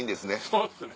そうですね。